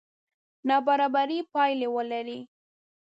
نابرابرې پایلې ولري.